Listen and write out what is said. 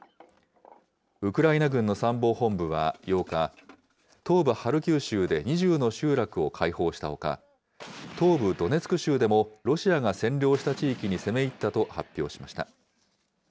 ウクライナ軍の参謀本部は８日、東部ハルキウ州で２０の集落を解放したほか、東部ドネツク州でもロシアが占領した地域に攻め入ったと発表しました。